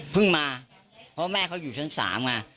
เพิ่งมาเพราะว่าแม่เขาอยู่ชั้น๓อ่ะ